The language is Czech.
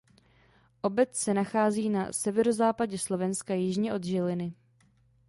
Obec se nachází na severozápadě Slovenska jižně od Žiliny.